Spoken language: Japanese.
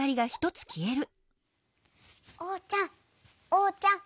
おうちゃん。